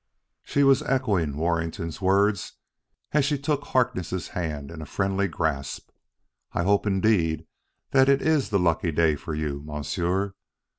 She was echoing Warrington's words as she took Harkness' hand in a friendly grasp. "I hope, indeed, that it is the lucky day for you, Monsieur.